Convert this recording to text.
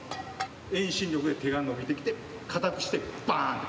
遠心力で手が伸びてきて、硬くしてバーン。